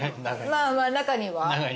まあ中には。